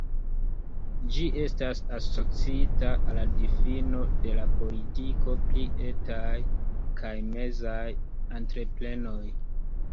Ĝi estas asociita al la difino de la politiko pri etaj kaj mezaj entreprenoj.